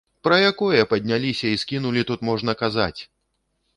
Пра якое падняліся і скінулі тут можна казаць?!